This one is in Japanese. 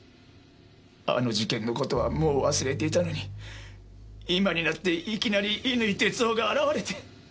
あの事件の事はもう忘れていたのに今になっていきなり乾哲夫が現れて。